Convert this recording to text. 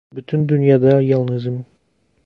Bütün dünyada yalnızım.